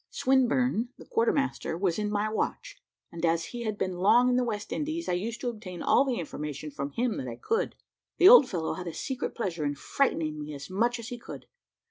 Swinburne, the quarter master, was in my watch, and as he had been long in the West Indies, I used to obtain all the information from him that I could. The old fellow had a secret pleasure in frightening me as much as he could.